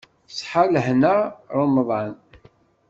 Ṣṣeḥa lehna ṛemḍan.